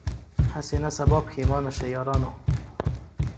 هسي نه سبا پښېمانه سی یارانو